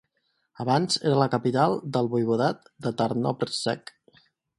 Abans era la capital del Voivodat de Tarnobrzeg.